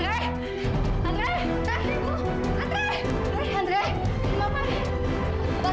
enggak enggak aku enggak apa apa